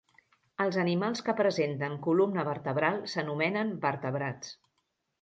Els animals que presenten columna vertebral s'anomenen vertebrats.